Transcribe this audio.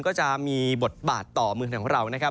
ก็จะมีบทบาทต่อเมืองไทยของเรานะครับ